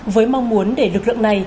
với mong muốn để lực lượng này